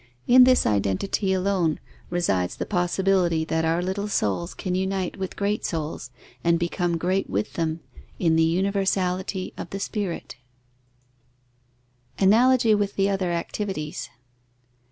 In this identity alone resides the possibility that our little souls can unite with the great souls, and become great with them, in the universality of the spirit. _Analogy with the other activities.